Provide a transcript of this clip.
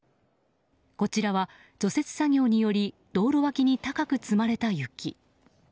こちらは除雪作業により道路脇に高く積まれた雪。